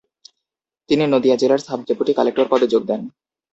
তিনি নদীয়া জেলার sub deputy collector পদে যোগ দেন।